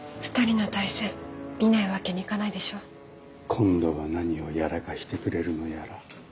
今度は何をやらかしてくれるのやら。